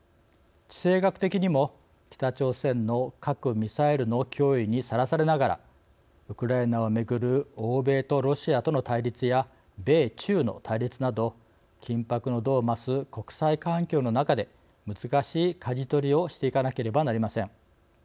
地政学的にも北朝鮮の核・ミサイルの脅威にさらされながらウクライナをめぐる欧米とロシアとの対立や米中の対立など緊迫の度を増す国際環境の中で難しいかじ取りをしていかなければなりません。